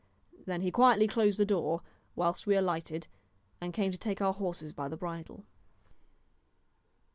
Then he quietly closed the door, whilst we alighted, and came to take our horses by the bridle.